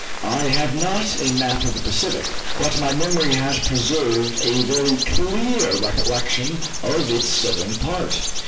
I have not a map of the Pacific, but my memory has preserved a very clear recollection of its southern part.